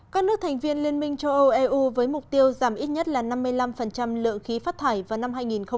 các nước thành viên liên minh châu âu eu với mục tiêu giảm ít nhất là năm mươi năm lượng khí phát thải vào năm hai nghìn ba mươi